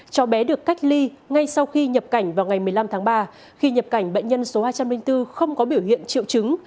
cháu bé được cách ly ngay sau khi nhập cảnh vào ngày một mươi năm tháng ba khi nhập cảnh bệnh nhân số hai trăm linh bốn không có biểu hiện triệu chứng